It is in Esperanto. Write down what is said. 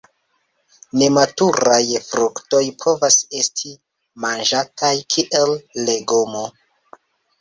Nematuraj fruktoj povas esti manĝataj kiel legomo.